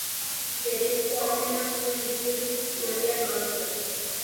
Berezko ahalmena zuen iturri berriak agertzeko.